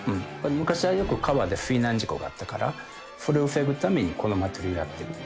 昔はよく川で水難事故があったから、それを防ぐために、この祭りをやってる。